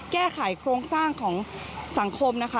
แก้ไขโครงสร้างของสังคมนะคะ